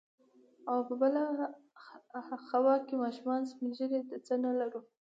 او په بله خوا کې ماشومان، سپين ږيري، د څه نه لرو.